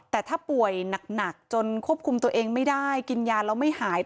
แต่ถ้าป่วยหนักจนควบคุมตัวเองไม่ได้กินยาแล้วไม่หาย